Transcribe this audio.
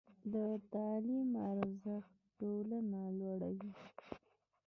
د تعلیم ارزښت ټولنه لوړوي.